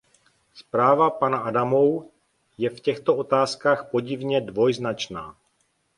Zpráva pana Adamou je v těchto otázkách podivně dvojznačná.